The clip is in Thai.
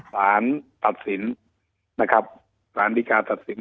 สารตัดสินนะครับสารดีการตัดสิน